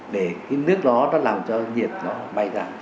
để cái nước đó nó làm cho nhiệt nó bay giảm